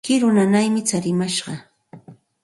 Kiru nanaymi tsarimashqan.